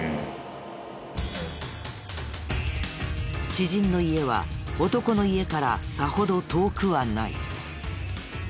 知人の家は男の家からさほど遠くはない。